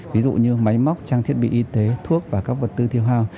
ví dụ như máy móc trang thiết bị y tế thuốc và các vật tư thiêu hao